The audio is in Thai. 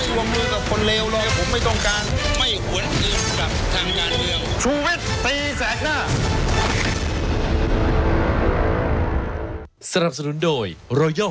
ผมไม่ร่วมรู้กับคนเลวหรอก